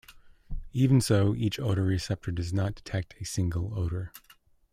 Even so, each odor receptor does not detect a single odor.